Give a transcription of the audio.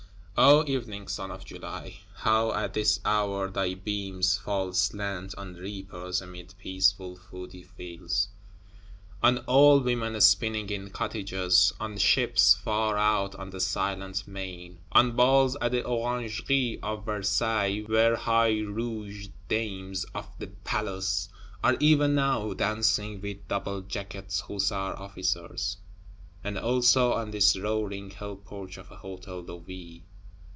O evening sun of July, how, at this hour, thy beams fall slant on reapers amid peaceful woody fields; on old women spinning in cottages; on ships far out on the silent main; on Balls at the Orangerie of Versailles, where high rouged Dames of the Palace are even now dancing with double jacketed Hussar Officers; and also on this roaring Hell porch of a Hôtel de Ville!